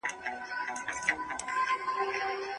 ماشوم د مور له شتون ډاډ احساسوي.